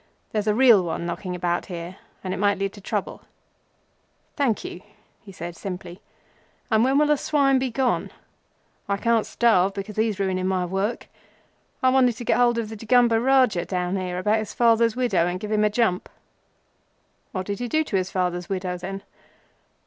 There's a real one knocking about here, and it might lead to trouble." "Thank you," said he simply, "and when will the swine be gone? I can't starve because he's ruining my work. I wanted to get hold of the Degumber Rajah down here about his father's widow, and give him a jump." "What did he do to his father's widow, then?"